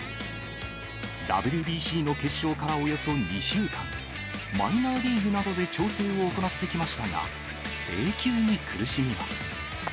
ＷＢＣの決勝からおよそ２週間、マイナーリーグなどで調整を行ってきましたが、制球に苦しみます。